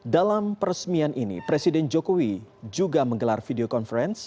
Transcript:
dalam peresmian ini presiden jokowi juga menggelar video conference